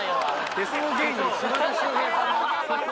手相芸人島田秀平さんの？